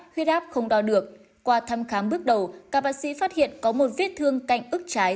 huyết áp không đo được qua thăm khám bước đầu các bác sĩ phát hiện có một vết thương cạnh ức trái